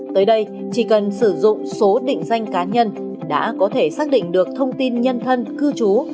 tới đây chỉ cần sử dụng số định danh cá nhân đã có thể xác định được thông tin nhân thân cư trú